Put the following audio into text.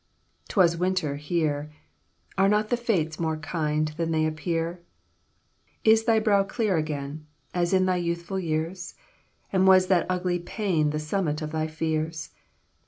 'T was winter here. Are not the Fates more kind Than they appear? "Is thy brow clear again, As in thy youthful years? And was that ugly pain The summit of thy fears?